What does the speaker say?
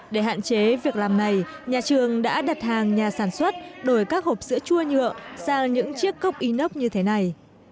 để hạn chế việc làm này nhà trường đã đặt hàng nhà sản xuất đổi các hộp sữa chua nhựa sang những chiếc cốc inox như thế này